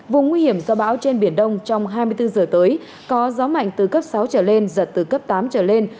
vùng nguy hiểm do bão trên biển đông trong hai mươi bốn giờ tới có gió mạnh từ cấp sáu trở lên giật từ cấp tám trở lên